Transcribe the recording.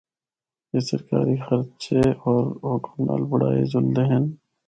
اے سرکاری خرچے ہور حکم نال بنڑائے جلدے ہن۔